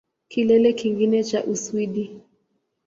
Kilele kingine cha Uswidi